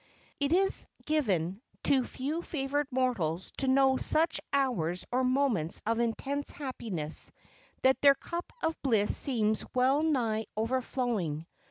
_ It is given to few favored mortals to know such hours or moments of intense happiness, that their cup of bliss seems well nigh overflowing.